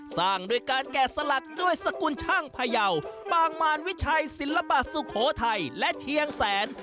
สร้างด้วยการแกะสลักด้วยสกุลช่างพยาวปางมารวิชัยศิลปะสุโขทัยและเชียงแสน